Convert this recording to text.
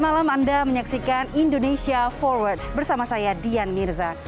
selamat malam anda menyaksikan indonesia forward bersama saya dian mirza